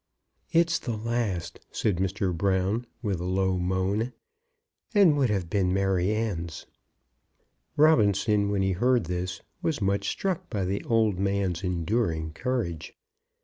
"It's the last," said Mr. Brown, with a low moan, "and would have been Maryanne's!" Robinson, when he heard this, was much struck by the old man's enduring courage.